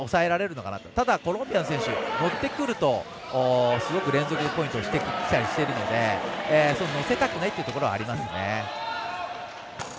ただ、コロンビアの選手乗ってくるとすごく連続でポイントをしてきたりしているので乗せたくないところはありますね。